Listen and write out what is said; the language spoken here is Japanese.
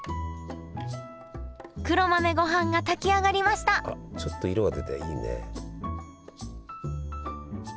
黒豆ごはんが炊き上がりましたあっちょっと色が出ていいね。